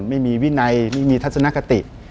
ไม่มีวินัยไม่มีทัศนคติ